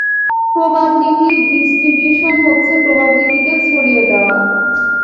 Probability distribution হচ্ছে প্রবাবিলিটিকে ছড়িয়ে দেয়া।